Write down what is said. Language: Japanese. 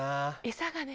餌がね。